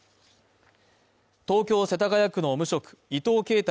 東京・世田谷区の無職伊藤啓太